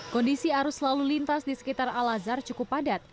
kondisi arus lalu lintas di sekitar al azhar cukup padat